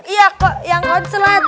iya kak yang konslet